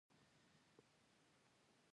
له ښځې سره ناوړه سلوک مردود او غندل شوی دی.